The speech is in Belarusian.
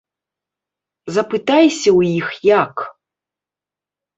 Запытайся ў іх як!